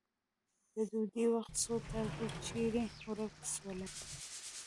د ډوډی وخت سو تاسو چیري ورک سولې.